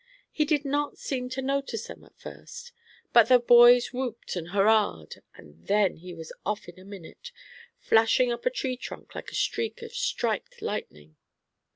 He did not seem to notice them at first, but the boys whooped and hurrahed, and then he was off in a minute, flashing up a tree trunk like a streak of striped lightning.